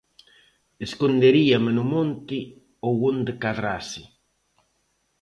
Esconderíame no monte ou onde cadrase.